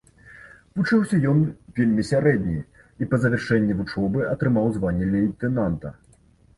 Вучыўся ён вельмі сярэдне, і па завяршэнні вучобы атрымаў званне лейтэнанта.